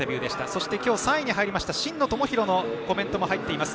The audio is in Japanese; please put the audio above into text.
そして今日３位に入りました真野友博のコメントも入っています。